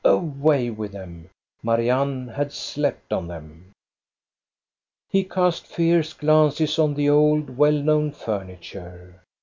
Away with them ! Marianne had slept on them. He cast fierce glances on the old, well known furni ture.